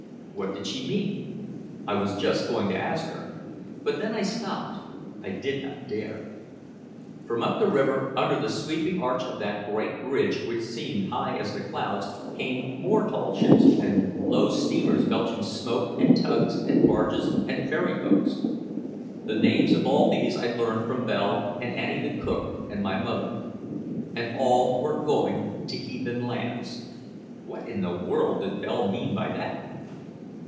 What did she mean? I was just going to ask her. But then I stopped I did not dare! From up the river, under the sweeping arch of that Great Bridge which seemed high as the clouds, came more tall ships, and low "steamers" belching smoke and "tugs" and "barges" and "ferry boats." The names of all these I learned from Belle and Anny the cook and my mother. And all were going "to heathen lands." What in the world did Belle mean by that?